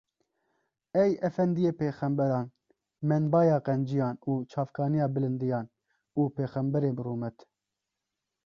Ey efendiyê pêxemberan, menbaya qenciyan û çavkaniya bilindiyan û pêxemberê bi rûmet!